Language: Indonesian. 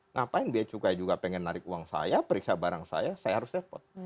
ngapain biaya cukai juga pengen narik uang saya periksa barang saya saya harus repot